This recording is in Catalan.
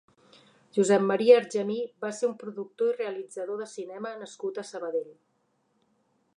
Josep Maria Argemí va ser un productor i realitzador de cinema nascut a Sabadell.